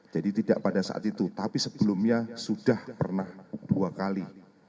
jadi tidak pada saat itu tapi sebelumnya sudah pernah dua kali